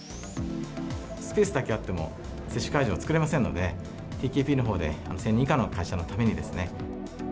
スペースだけあっても、接種会場は作れませんので、ティーケーピーのほうで１０００人以下の会社のためにですね。